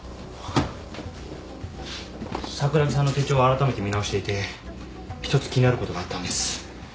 桜木さんの手帳をあらためて見直していて一つ気になることがあったんです。